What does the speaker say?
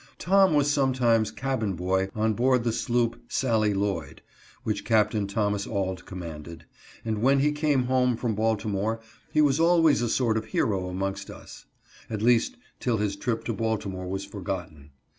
Tom was sometimes cabin boy on board the sloop " Sally Lloyd " (which Capt. Thomas Auld commanded), and when he came home 00 ON THE SALLY LLOYD. from Baltimore he was always a sort of hero amongst us, at least till his trip to Baltimore was forgotten.